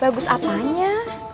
bagus apa merepeknya